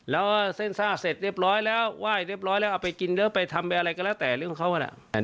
แล้วเส้นซ่าเสร็จเรียบร้อยแล้วไหว้เรียบร้อยแล้วเอาไปกินหรือไปทำไปอะไรก็แล้วแต่เรื่องของเขาแหละ